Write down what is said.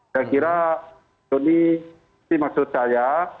saya kira ini maksud saya